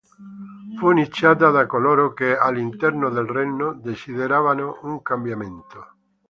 Fu iniziata da coloro che, all'interno del regno, desideravano un cambiamento.